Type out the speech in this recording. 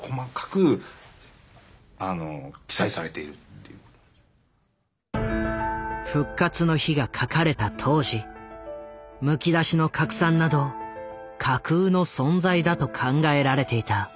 そういった意味でこれは「復活の日」が書かれた当時「むきだしの核酸」など架空の存在だと考えられていた。